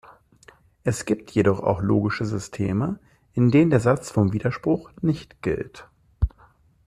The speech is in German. Es gibt jedoch auch logische Systeme, in denen der Satz vom Widerspruch nicht gilt.